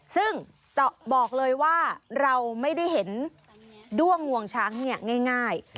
ซึ่งจะบอกเลยว่าเราไม่ได้เห็นด้วงงวงช้างเนี่ยง่าย